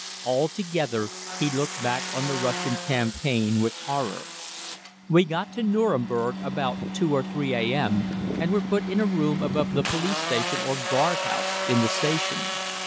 Altogether he looked back on the Russian campaign with horror. We got to Nüremberg about 2 or 3 a.m. and were put in a room above the police station or guardhouse in the station.